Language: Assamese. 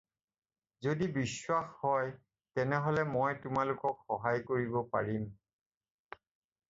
যদি বিশ্বাস হয়, তেনেহ'লে মই তোমালোকক সহায় কৰিব পাৰিম।